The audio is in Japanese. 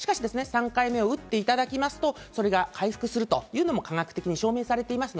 ３回目を打っていただきますと、それが回復するというのも科学的に証明されています。